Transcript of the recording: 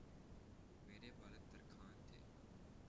میرے والد ترکھان تھے